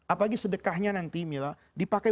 apalagi sedekahnya nanti mila dipakai